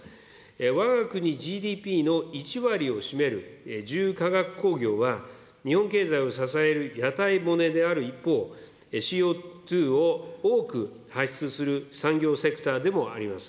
わが国ＧＤＰの１割を占める重化学工業は、日本経済を支える屋台骨である一方、ＣＯ２を多く排出する産業セクターでもあります。